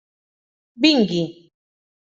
Vingui.